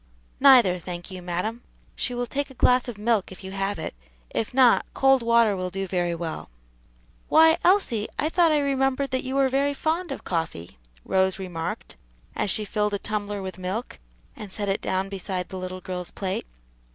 "Neither, thank you, madam: she will take a glass of milk if you have it; if not, cold water will do very well," "Why, Elsie, I thought I remembered that you were very fond of coffee," Rose remarked, as she filled a tumbler with milk and set it down beside the little girl's plate.